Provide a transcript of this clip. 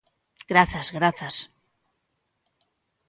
Grazas, grazas.